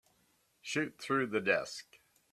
Shoot through the desk.